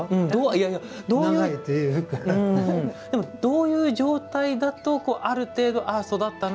どういう状態だとある程度、育ったな